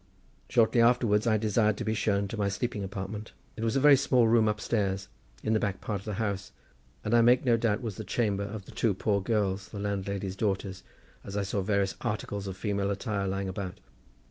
Shortly afterwards I desired to be shown to my sleeping apartment. It was a very small room upstairs, in the back part of the house; and I make no doubt was the chamber of the two poor girls, the landlady's daughters, as I saw various articles of female attire lying about.